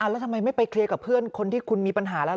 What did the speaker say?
แล้วทำไมไม่ไปเคลียร์กับเพื่อนคนที่คุณมีปัญหาแล้ว